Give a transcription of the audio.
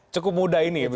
cukup muda ini ya begitu